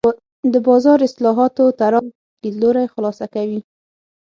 د بازار اصلاحاتو طراح لیدلوری خلاصه کوي.